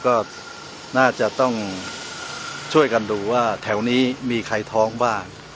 ก็น่าจะต้องช่วยกันดูว่าแถวนี้มีใครท้องบ้าง